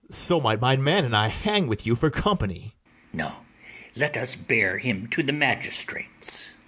So might my man and I hang with you for company. ITHAMORE. No; let us bear him to the magistrates.